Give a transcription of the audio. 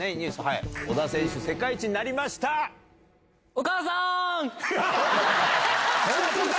小田選手、世界一になりましお母さーん！